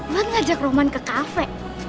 lu ngajak roman ke cafe